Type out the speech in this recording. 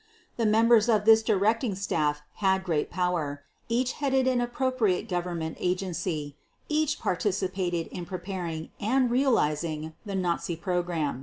The members of this directing staff had great power, each headed an appropriate Government agency, each participated in preparing and realizing the Nazi program.